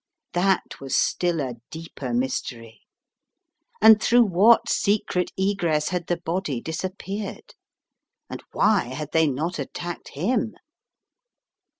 That was still a deeper mystery. And through what secret egress had the body disap peared? And why had they not attacked him?